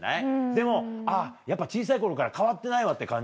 でも「あぁやっぱ小さい頃から変わってないわ」って感じ？